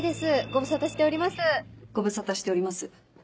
ご無沙汰しております。